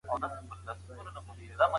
تعاون د ټولني اساسي ضرورت دی.